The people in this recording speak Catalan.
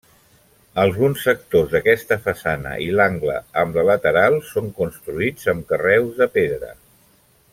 Alguns sectors d'aquesta façana i l'angle amb la lateral són construïts amb carreus de pedra.